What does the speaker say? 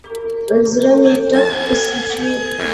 زړه مې ټک پسې چوي.